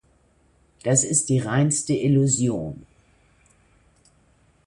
Das ist die reinste Illusion.